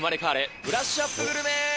ブラッシュアップグルメ。